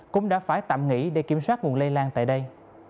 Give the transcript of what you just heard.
cũng đã phải tạm nghỉ để kiểm soát nguồn lây lan tại đây